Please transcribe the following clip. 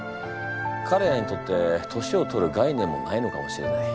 かれらにとって年を取るがいねんもないのかもしれない。